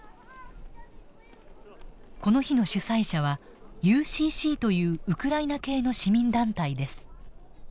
この日の主催者はＵＣＣというウクライナ系の市民団体です。